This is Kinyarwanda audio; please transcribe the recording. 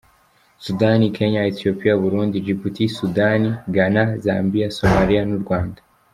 Sudani, Kenya, Ethiopia, Burundi, Djibouti , Sudan, Ghana, Zambia, Somalia n’u Rwanda.